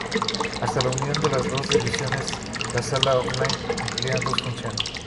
Hasta la unión de las dos ediciones, la "sala off-line" cumplía dos funciones.